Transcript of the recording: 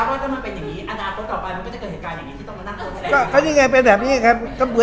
อาจารย์โตต่อไปมันก็จะเกิดเหตุการณ์อย่างนี้